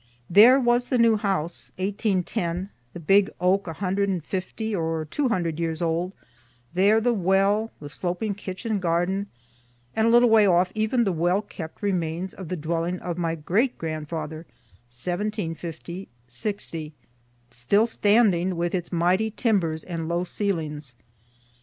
There was the new house (1810,) the big oak a hundred and fifty or two hundred years old; there the well, the sloping kitchen garden, and a little way off even the well kept remains of the dwelling of my great grandfather (1750 '60) still standing, with its mighty timbers and low ceilings.